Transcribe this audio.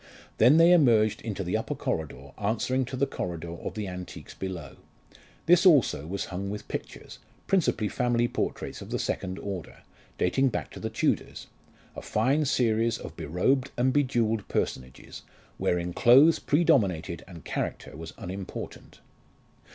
Then they emerged into the upper corridor answering to the corridor of the antiques below. This also was hung with pictures, principally family portraits of the second order, dating back to the Tudors a fine series of berobed and bejewelled personages, wherein clothes pre dominated and character was unimportant.